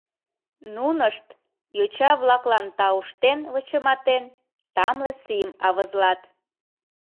Нунышт, йоча-влаклан тауштен-вычыматен, тамле сийым авызлат.